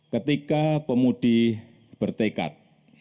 ketika pemudi bertekad